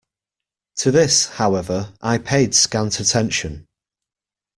To this, however, I paid scant attention.